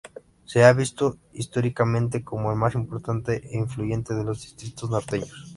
Se ha visto históricamente como el más importante e influyente de los distritos norteños.